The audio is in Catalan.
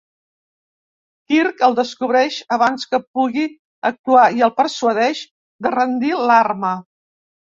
Kirk el descobreix abans que pugui actuar i el persuadeix de rendir l'arma.